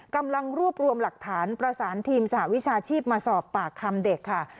กำลังรวบรวมหลักฐานประสานทีมสหวิชาชีพมาสอบปากคำเด็กค่ะ